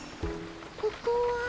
ここは。